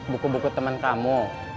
buku buku temen kamu